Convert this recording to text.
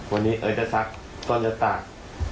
วันนี้เอิร์ทจะซักต้นจะตาก